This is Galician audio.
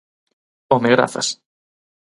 ¡Home, grazas!